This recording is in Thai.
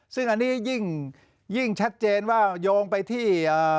ซึ่งอันนี้ยิ่งชัดเจนว่าโยงไปที่